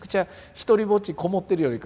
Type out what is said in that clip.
独りぼっちこもってるよりか